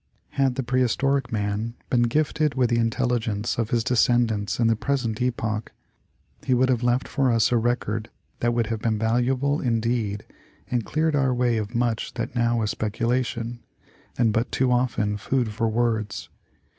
Had the prehistoric man been gifted with the intelligence of his descendants in the present epoch, he would have left for us a record that would have been valuable indeed and cleared our way of much that now is speculation, and but too often food for words.